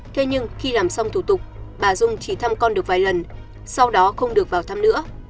thế nhưng khi làm xong thủ tục bà dung chỉ thăm con được vài lần sau đó không được vào thăm nữa